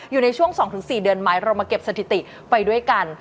อยู่ในช่วง๒๔เดือนไหมเรามาเก็บสถิติไปด้วยกัน